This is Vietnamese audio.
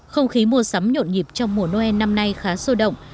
không khí mua sắm nhộn nhịp trong mùa noel năm nay khá sôi động